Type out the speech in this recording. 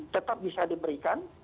tetap bisa diberikan